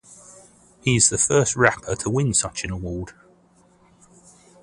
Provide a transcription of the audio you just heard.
He is the first rapper to win such an award.